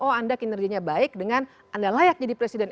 oh anda kinerjanya baik dengan anda layak jadi presiden